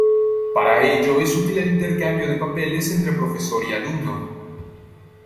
Para ello es útil el intercambio de papeles entre profesor y alumno.